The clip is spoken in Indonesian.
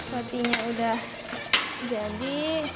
rotinya udah jadi